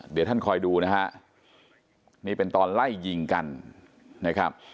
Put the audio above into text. เดี๋ยวท่านคอยดูนะฮะนี่เป็นตอนไล่ยิงกันนะครับ